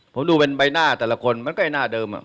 ผมดูเป็นใบหน้าแต่ละคนมันก็ไอ้หน้าเดิม